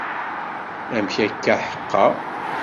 Amek akken ḥeqqa?